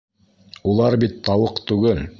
Улар бит тауыҡ түгел...